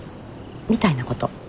みたいなこと？